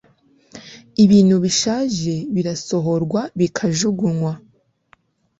ibintu bishaje birasohorwa bikajugunywa